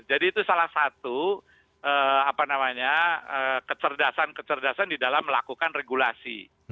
jadi itu salah satu kecerdasan kecerdasan di dalam melakukan regulasi